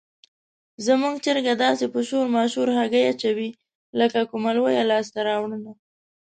زموږ چرګه داسې په شور ماشور هګۍ اچوي لکه کومه لویه لاسته راوړنه.